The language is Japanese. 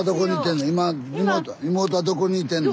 妹はどこにいてんの？